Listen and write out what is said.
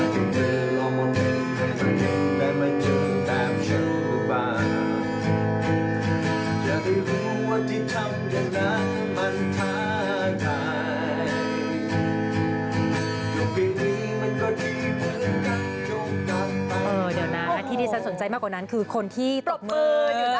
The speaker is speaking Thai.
เดี๋ยวนะคะที่แน็ตสนใจมากกว่านั้นคือคนที่ตกมือ